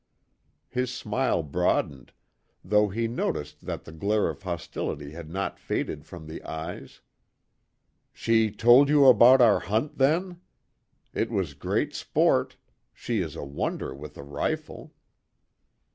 His smile broadened, though he noticed that the glare of hostility had not faded from the eyes: "She told you about our hunt, then? It was great sport. She is a wonder with a rifle."